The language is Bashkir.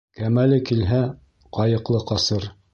Кәмәле килһә, ҡайыҡлы ҡасыр.